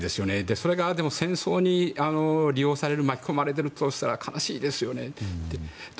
それが戦争に利用される巻き込まれてるとしたら悲しいですよね。